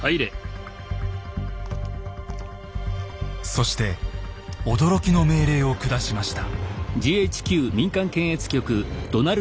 そして驚きの命令を下しました。